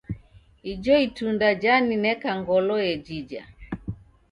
Ijo itunda janineka ngolo yejija.